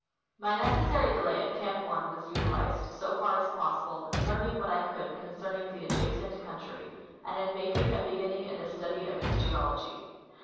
My necessary delay at Camp 1 was utilized, so far as possible, in learning what I could concerning the adjacent country, and in making a beginning in the study of its geology.